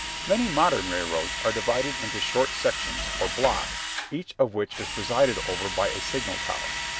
Many modern railroads are divided into short sections or "blocks," each of which is presided over by a signal tower.